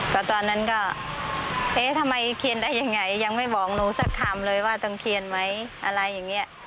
ก็ตอนนั้นก็เอ๊ะทำไมเขียนได้ยังไงยังไม่บอกหนูสักคำเลยว่าต้องเขียนไหมอะไรอย่างนี้